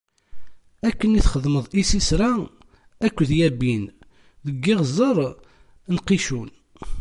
Akken i txedmeḍ i Sisra akked Yabin deg yiɣzer n Qicun.